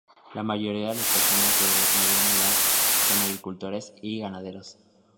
La mayoría de las personas de mediana edad son agricultores y ganaderos.